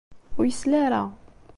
Ur yesli ara.